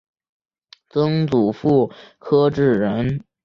曾祖父柯志仁。